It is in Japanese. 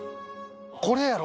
これやろ？